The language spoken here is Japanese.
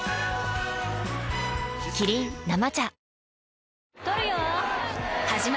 キリン「生茶」